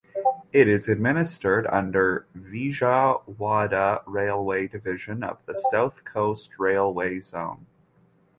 It is administered under Vijayawada railway division of South Coast Railway zone.